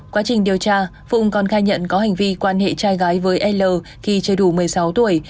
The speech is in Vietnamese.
quá trình điều tra phụng còn khai nhận có hành vi quan hệ trai gái với l khi chưa đủ một mươi sáu tuổi